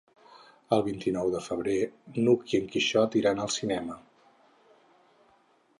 El vint-i-nou de febrer n'Hug i en Quixot iran al cinema.